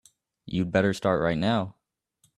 You'd better start right now.